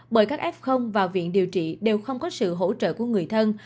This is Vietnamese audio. bởi các f vào viện điều trị đều không có sự hỗ trợ của người thân